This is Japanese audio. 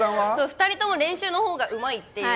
２人とも練習のほうがうまいっていう。